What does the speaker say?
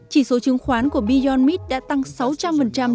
chỉ số chứng khoán của beyond meat đã tăng sáu trăm linh trong vòng cuối tuần